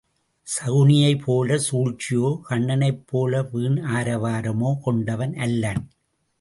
சகுனியைப் போலச் சூழ்ச்சியோ கன்னனைப்போல வீண் ஆரவாரமோ கொண்டவன் அல்லன்.